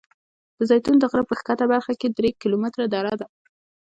د زیتون د غره په ښکته برخه کې درې کیلومتره دره ده.